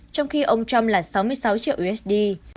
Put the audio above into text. trong khi ông trump là sáu mươi sáu triệu usd